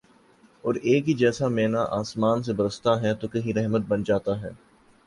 اور جب ایک ہی جیسا مینہ آسماں سے برستا ہے تو کہیں رحمت بن جاتا ہے